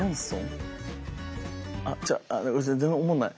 あっちゃう全然おもんない。